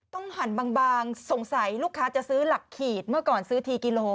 หั่นบางสงสัยลูกค้าจะซื้อหลักขีดเมื่อก่อนซื้อทีกิโล